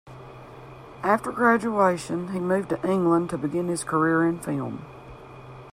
After graduation, he moved to England to begin his career in film.